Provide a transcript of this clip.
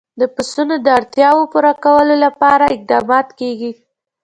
د پسونو د اړتیاوو پوره کولو لپاره اقدامات کېږي.